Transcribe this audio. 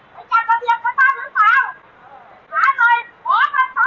ชอบจอดความเบาจาระจูมไปจิบขัดนะคะ